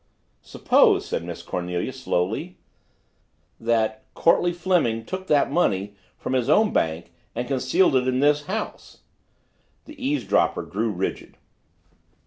"Suppose," said Miss Cornelia slowly, "that Courtleigh Fleming took that money from his own bank and concealed it in this house?" The eavesdropper grew rigid.